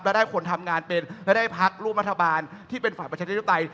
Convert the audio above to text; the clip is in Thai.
แล้วได้คนทำงานก็ได้ภักรูปมาตรบาลที่เป็นฝั่งประชาชนิดที่ไตร